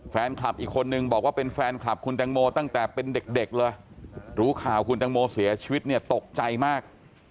แฟนคลับอีกคนนึงบอกว่าเป็นแฟนคลับคุณแตงโมตั้งแต่เป็นเด็กเลยรู้ข่าวคุณแตงโมเสียชีวิตเนี่ยตกใจมาก